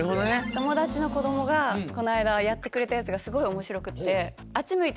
友達の子供がこの間やってくれたやつがすごい面白くって。